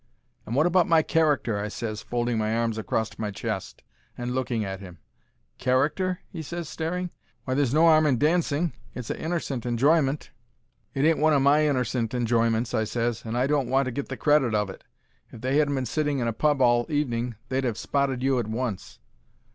"And wot about my character?" I ses, folding my arms acrost my chest and looking at him. "Character?" he ses, staring. "Why, there's no 'arm in dancing; it's a innercent enjoyment." "It ain't one o' my innercent enjoyments," I ses, "and I don't want to get the credit of it. If they hadn't been sitting in a pub all the evening they'd 'ave spotted you at once."